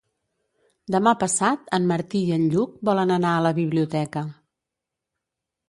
Demà passat en Martí i en Lluc volen anar a la biblioteca.